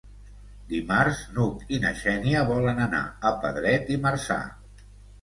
Dimarts n'Hug i na Xènia volen anar a Pedret i Marzà.